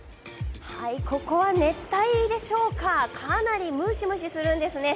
ここは熱帯でしょうかかなり蒸し蒸しするんですね